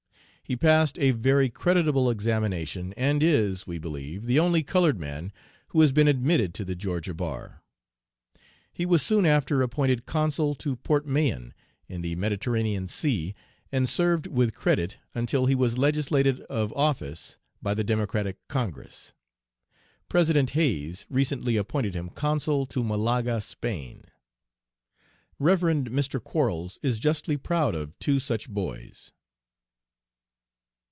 He passed a very creditable examination, and is, we believe, the only colored man who has been admitted to the Georgia bar. He was soon after appointed consul to Port Mahon, in the Mediterranean Sea, and served with credit until he was legislated of office by the Democratic Congress. President Hayes recently appointed him consul to Malaga, Spain. "Rev. Mr. Quarles is justly proud of two such boys."